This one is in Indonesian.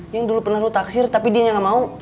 yang dulu pernah lo taksir tapi dia yang nggak mau